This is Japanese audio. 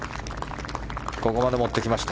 ここまで持ってきました。